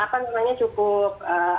akan sebenarnya cukup